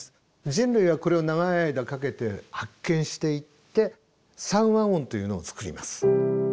人類はこれを長い間かけて発見していって三和音というのを作ります。